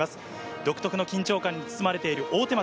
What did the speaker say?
独特の緊張感に包まれている大手町。